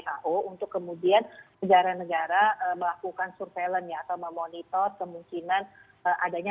hai untuk kemudian negara negara melakukan surveillance atau memonitor kemungkinan adanya